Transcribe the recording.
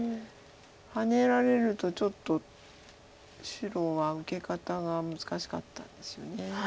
ハネられるとちょっと白は受け方が難しかったんですよね。